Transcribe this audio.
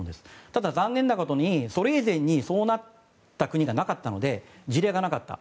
ただ、残念なことにそれ以前にそうなった国がなかったので事例がなかった。